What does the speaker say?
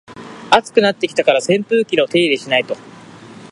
暑くなってきたから扇風機の手入れしないと